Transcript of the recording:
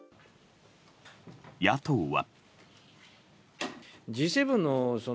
野党は。